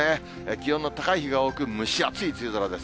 気温の高い日が多く、蒸し暑い梅雨空です。